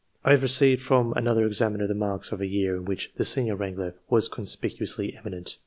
I have received from another examiner the marks of a year in which the senior wrangler was conspicuously eminent.